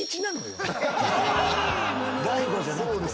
大悟じゃなくて。